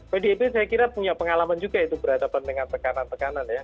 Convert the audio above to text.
pdip saya kira punya pengalaman juga itu berhadapan dengan tekanan tekanan ya